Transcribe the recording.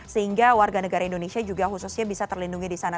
sehingga warga negara indonesia juga khususnya bisa terlindungi di sana